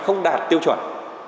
không đạt tiêu chuẩn